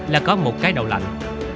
là có một cái đầu lạnh